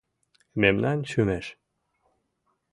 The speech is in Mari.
Мемнан шӱмеш